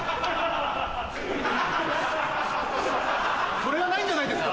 それはないんじゃないですか？